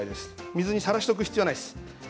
水にさらしておく必要はないです。